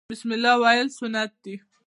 بسم الله ویل سنت دي